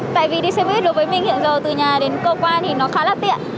tại vì đi xe buýt đối với mình hiện giờ từ nhà đến cơ quan thì nó khá là tiện